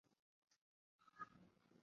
Leo anapendeza sana.